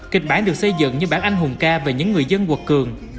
kịch bản được xây dựng như bản anh hùng ca về những người dân quật cường